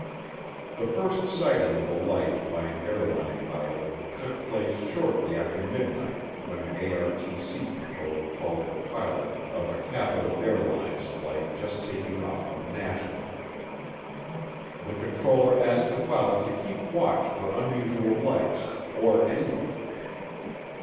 The first sighting of a light by an airline pilot took place shortly after midnight, when an ARTC controller called the pilot of a Capital Airlines flight just taking off from National. The controller asked the pilot to keep watch for unusual lights or anything.